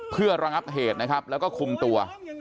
เพื่อระงับเหตุนะครับแล้วก็คุมตัว